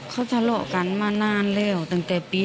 เขาทะเลาะกันมานานแล้วตั้งแต่ปี๒๕